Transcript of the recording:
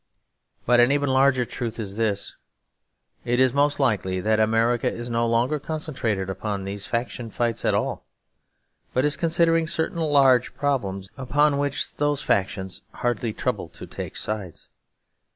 But an even larger truth is this; it is most likely that America is no longer concentrated on these faction fights at all, but is considering certain large problems upon which those factions hardly troubled to take sides.